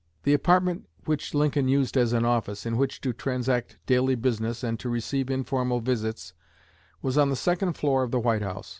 The apartment which Lincoln used as an office in which to transact daily business and to receive informal visits was on the second floor of the White House.